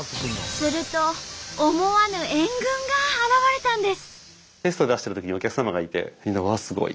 すると思わぬ援軍が現れたんです。